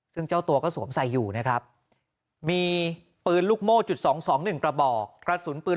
ซึ่งเจ้าตัวก็สวมใส่อยู่นะครับมีปืนลูกโม่จุด๒๒๑กระบอกกระสุนปืน